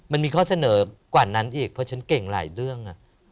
มันมีข้อเสนอกว่านั้นอีกเพราะฉันเก่งหลายเรื่อง